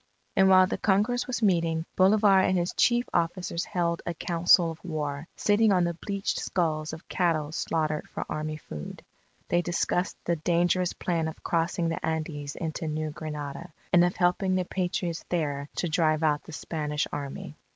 And while the Congress was meeting, Bolivar and his chief officers held a council of war, sitting on bleached skulls of cattle slaughtered for army food. They discussed the dangerous plan of crossing the Andes into New Granada, and of helping the Patriots there to drive out the Spanish Army.